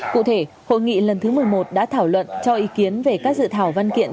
cụ thể hội nghị lần thứ một mươi một đã thảo luận cho ý kiến về các dự thảo văn kiện